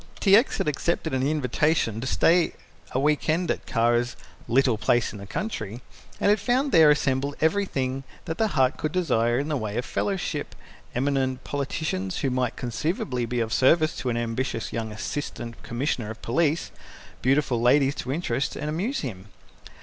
T. X. had accepted an invitation to stay a weekend at Kara's "little place in the country," and had found there assembled everything that the heart could desire in the way of fellowship, eminent politicians who might conceivably be of service to an ambitious young Assistant Commissioner of Police, beautiful ladies to interest and amuse him.